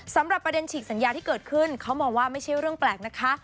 สำหรับประเด็นฉีกสัญญาที่เกิดขึ้นเขามองว่าไม่ใช่เรื่องแปลกนะคะ